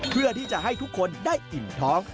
เพื่อที่จะให้ทุกคนได้อิ่มท้อง